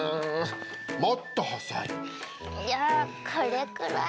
じゃあこれくらい？